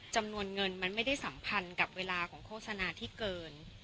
จำนวนเงินมันไม่ได้สัมพันธ์กับเวลาของโฆษณาที่เกิน